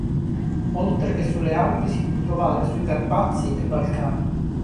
Oltre che sulle Alpi, si può trovare sui Carpazi e Balcani.